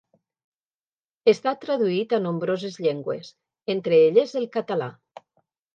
Està traduït a nombroses llengües, entre elles el català.